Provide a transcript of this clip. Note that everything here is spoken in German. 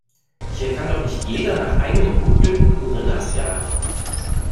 Hier kann doch nicht jeder nach eigenem Gutdünken Gorillas jagen!